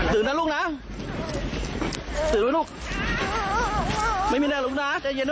ตื่นน่ะลูกนะ